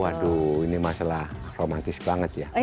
waduh ini masalah romantis banget ya